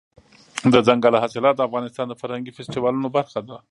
دځنګل حاصلات د افغانستان د فرهنګي فستیوالونو برخه ده.